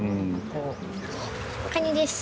カニです。